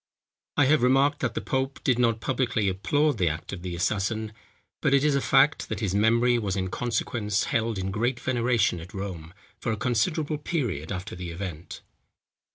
I have remarked, that the pope did not publicly applaud the act of the assassin; but it is a fact, that his memory was in consequence held in great veneration at Rome, for a considerable period after the event.